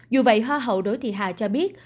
dù vậy hoa hậu đỗ thị hà cho biết